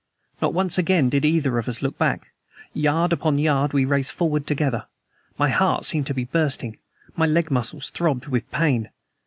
Not once again did either of us look back. Yard upon yard we raced forward together. My heart seemed to be bursting. My leg muscles throbbed with pain.